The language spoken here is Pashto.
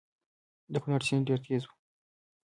د کونړ سیند ډیر تېز دی